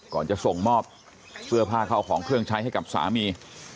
ก่อนจะส่งมอบเสื้อผ้าเข้าของเครื่องใช้ให้กับสามี